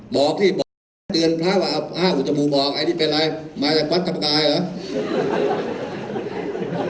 บอกที่บอกเดือนพระว่าห้าหุ้นจมูกบอกไอ้นี่เป็นไรหมายถึงกวัดกรรมกายเหรอ